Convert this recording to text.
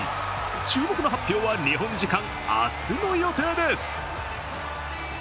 注目の発表は日本時間明日の予定です。